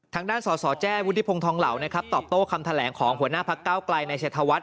ทางด้านสสแจ้วุฒิพงษ์ทองเหล่าตอบโต้คำแถลงของหัวหน้าภักร์เก้ากลายในเฉธวัฒน์